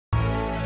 kau mau cari siapa